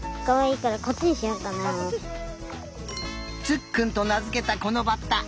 つっくんとなづけたこのバッタ。